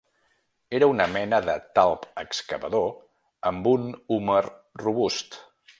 Era una mena de talp excavador amb un húmer robust.